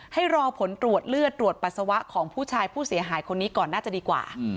ให้รอผลตรวจเลือดตรวจปัสสาวะของผู้ชายผู้เสียหายคนนี้ก่อนน่าจะดีกว่า